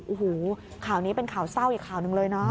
โอ้โหข่าวนี้เป็นข่าวเศร้าอีกข่าวหนึ่งเลยนะ